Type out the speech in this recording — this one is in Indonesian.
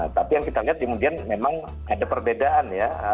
tapi yang kita lihat kemudian memang ada perbedaan ya